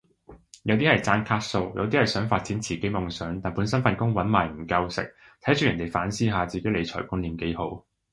有啲係爭卡數，有啲係想發展自己夢想但本身份工搵埋唔夠食，睇住人哋反思下自己理財觀念幾好